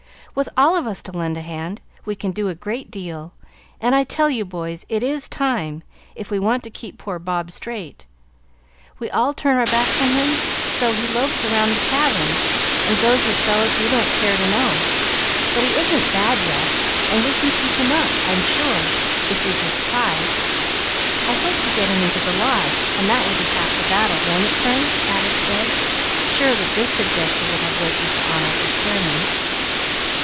With all of us to lend a hand, we can do a great deal; and I tell you, boys, it is time, if we want to keep poor Bob straight. We all turn our backs on him, so he loafs round the tavern, and goes with fellows we don't care to know. But he isn't bad yet, and we can keep him up, I'm sure, if we just try. I hope to get him into the Lodge, and that will be half the battle, won't it, Frank?" added Ed, sure that this suggestion would have weight with the honorable Chairman.